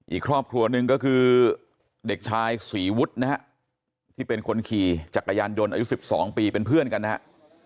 อีกครอบครัวหนึ่งก็คือเด็กชายศรีวุฒินะฮะที่เป็นคนขี่จักรยานยนต์อายุ๑๒ปีเป็นเพื่อนกันนะฮะ